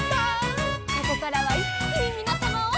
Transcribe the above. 「ここからはいっきにみなさまを」